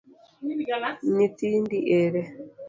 Nyithindi ere?